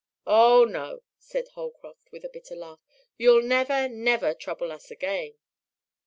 "Oh, no!" said Holcroft with a bitter laugh. "You'll never, never trouble us again."